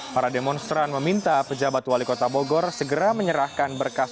para demonstran meminta pejabat wali kota bogor segera menyerahkan berkas